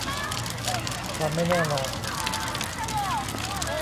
ความไม่แน่นอน